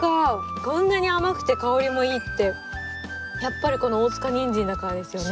こんなに甘くて香りもいいってやっぱり大塚にんじんだからですよね？